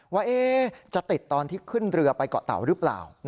ว่าจะติดตอนที่ขึ้นเรือไปเกาะเตาหรือเปล่า